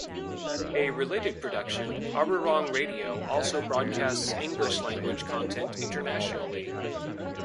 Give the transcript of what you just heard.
A related production, Arirang Radio, also broadcasts English-language content internationally.